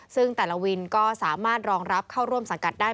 ซึ่งแต่ละวินก็สามารถรองรับเข้าร่วมสังกัดได้